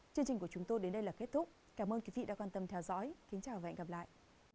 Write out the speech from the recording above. chương trình của chúng tôi đến đây là kết thúc cảm ơn quý vị đã quan tâm theo dõi